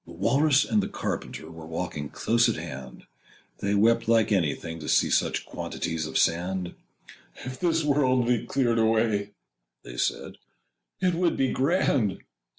The Walrus and the Carpenter Â Â Â Â Were walking close at hand; They wept like anything to see Â Â Â Â Such quantities of sand: 'If this were only cleared away,' Â Â Â Â They said, 'it would be grand!